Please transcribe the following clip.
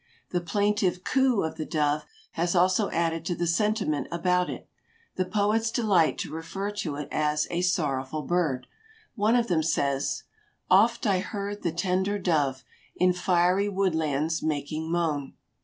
The plaintive "coo" of the dove has also added to the sentiment about it. The poets delight to refer to it as a sorrowful bird. One of them says: "Oft I heard the tender dove In fiery woodlands making moan."